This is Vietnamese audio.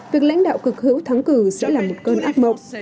việc lãnh đạo cực hữu thắng cử sẽ là một cơn ác mộng